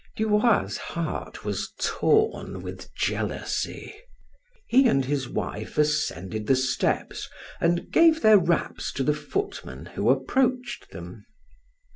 Du Roy's heart was torn with jealousy. He and his wife ascended the steps and gave their wraps to the footmen who approached them.